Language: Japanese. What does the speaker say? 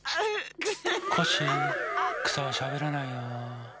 コッシーくさはしゃべらないよ。